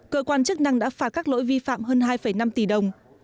cơ quan chức năng đã phạt các lỗi vi phạm hơn hai năm tỷ đồng